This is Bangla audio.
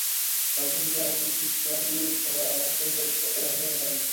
গার্লফ্রেন্ড আমাকে ফিস-কারি খাওয়ার আমন্ত্রণ করেছিল, তাই আমি এখানে এসেছি।